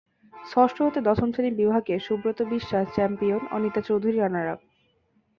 ষষ্ঠ হতে দশম শ্রেণীর বিভাগে সুব্রত বিশ্বাস চ্যাম্পিয়ন, অনিতা চৌধুরী রানারআপ।